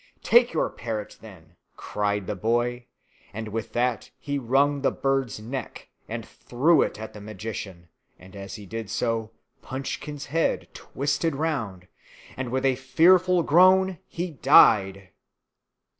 "Take your parrot, then," cried the boy; and with that he wrung the bird's neck, and threw it at the magician; and, as he did so, Punchkin's head twisted round, and, with a fearful groan, he died!